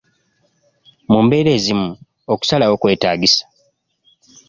Mu mbeera ezimu, okusalawo kwetaagisa.